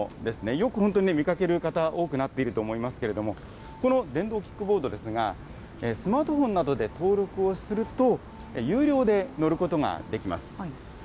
よく本当にね、見かける方、多くなっていると思いますけれども、この電動キックボードですが、スマートフォンなどで登録をすると、有料で乗ることができます。